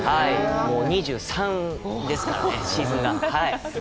もう２３ですからね、シーズンが。